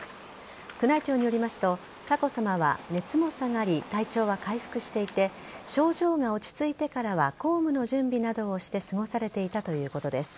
宮内庁によりますと佳子さまは熱も下がり体調は回復していて症状が落ち着いてからは公務の準備などをして過ごされていたということです。